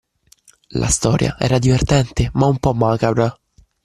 La storia era divertente, ma un po' macabra.